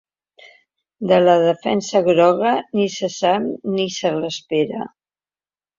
De la defensa groga, ni se sap ni se l’espera.